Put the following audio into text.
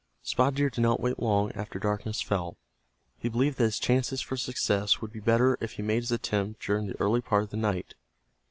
Spotted Deer did not wait long after darkness fell. He believed that his chances for success would be better if he made his attempt during the early part of the night.